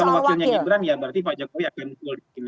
kalau wakilnya gibran ya berarti pak jokowi akan full